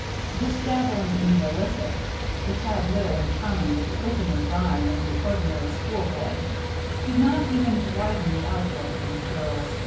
This dabbling in the illicit it had little in common with the opener grime of the ordinary schoolboy did not even widen the outlook of these girls.